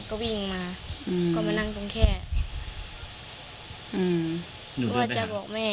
ก็วิ่งมาก็มานั่งตรงแค่ว่าจะบอกแม่